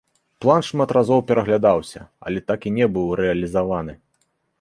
План шмат разоў пераглядаўся, але так і не быў рэалізаваны.